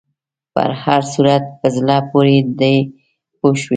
په هر صورت په زړه پورې دی پوه شوې!.